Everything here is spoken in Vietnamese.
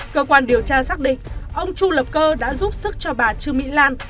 cơ quan điều tra xác định ông chu lập cơ đã giúp sức cho bà trương mỹ lan